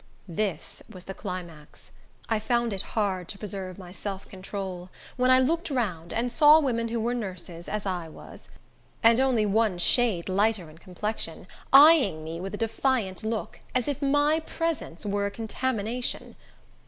This was the climax! I found it hard to preserve my self control, when I looked round, and saw women who were nurses, as I was, and only one shade lighter in complexion, eyeing me with a defiant look, as if my presence were a contamination.